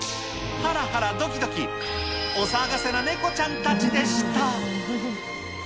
はらはらどきどき、お騒がせなネコちゃんたちでした。